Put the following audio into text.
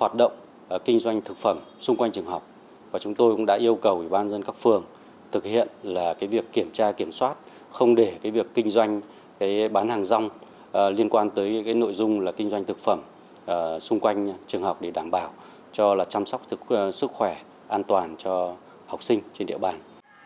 học động kinh doanh thực phẩm xung quanh trường học và chúng tôi cũng đã yêu cầu ủy ban dân các phường thực hiện việc kiểm tra kiểm soát không để việc kinh doanh bán hàng rong liên quan tới nội dung kinh doanh thực phẩm xung quanh trường học để đảm bảo cho chăm sóc sức khỏe an toàn cho học sinh trên địa bàn